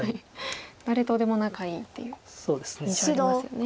誰とでも仲いいっていう印象ありますよね。